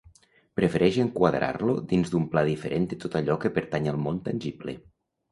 Prefereix enquadrar-lo dins d'un pla diferent de tot allò que pertany al món tangible.